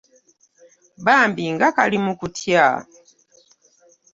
Bambi nga Kali mu kutya.